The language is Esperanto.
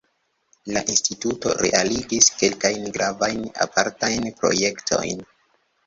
La instituto realigis kelkajn gravajn apartajn projektojn.